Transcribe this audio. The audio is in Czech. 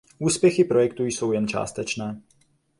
Úspěchy projektu jsou jen částečné.